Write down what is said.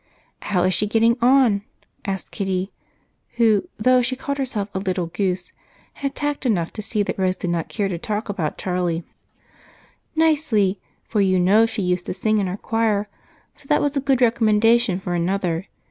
"How is she getting on?" asked Kitty, who, though she called herself a "little goose," had tact enough to see that Rose did not care to talk about Charlie. "Nicely, for you know she used to sing in our choir, so that was a good recommendation for another.